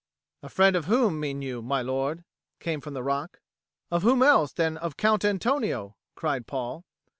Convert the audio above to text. "A friend of whom mean you, my lord?" came from the rock. "Of whom else than of Count Antonio?" cried Paul.